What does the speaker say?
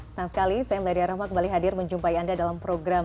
senang sekali saya meladia rahma kembali hadir menjumpai anda dalam program